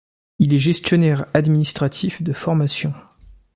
Il est gestionnaire administratif de formation.